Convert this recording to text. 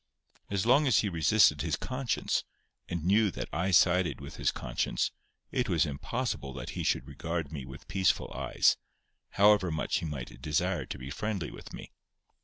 As long as he resisted his conscience, and knew that I sided with his conscience, it was impossible he should regard me with peaceful eyes, however much he might desire to be friendly with me.